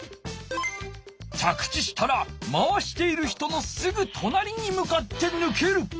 着地したら回している人のすぐとなりに向かってぬける。